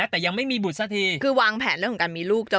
แต่ยังไม่มีบุตรสักทีคือวางแผนเรื่องของการมีลูก